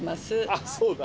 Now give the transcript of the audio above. あっそうだ。